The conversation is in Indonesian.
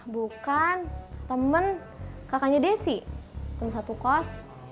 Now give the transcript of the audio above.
bukan teman kakaknya desi temen satu kos